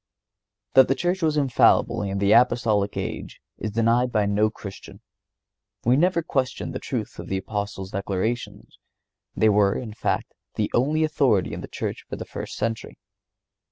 That the Church was infallible in the Apostolic age is denied by no Christian. We never question the truth of the Apostles' declarations;(114) they were, in fact, the only authority in the Church for the first century.